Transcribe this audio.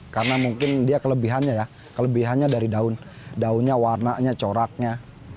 karena mungkin dia kelebihannya ya kelebihannya dari daun daunnya warnanya coraknya